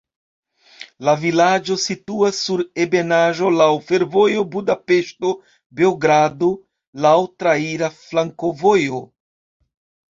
La vilaĝo situas sur ebenaĵo, laŭ fervojo Budapeŝto–Beogrado, laŭ traira flankovojo.